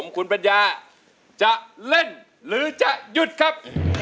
คุณปัญญาจะเล่นหรือจะหยุดครับ